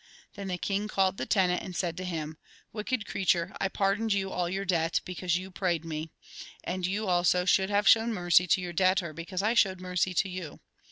Then the king called the tenant, and said to him :' Wicked creature, I pardoned you all your debt, because you prayed me. And you, also, should have shown mercy to your debtor, because I showed mercy to you.'